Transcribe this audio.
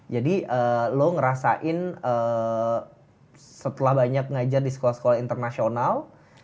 jadi lo ngerasain setelah banyak ngajar di sekolah sekolah internasional